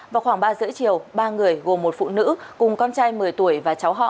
vào khoảng ba giữa chiều ba người gồm một phụ nữ cùng con trai một mươi tuổi và cháu học